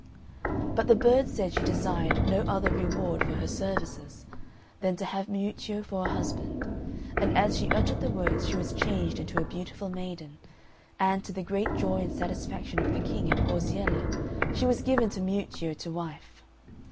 But the bird said she desired no other reward for her services than to have Miuccio for a husband; and as she uttered the words she was changed into a beautiful maiden, and, to the great joy and satisfaction of the King and Porziella, she was given to Miuccio to wife.